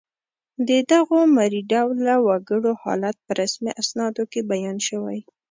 د دغو مري ډوله وګړو حالت په رسمي اسنادو کې بیان شوی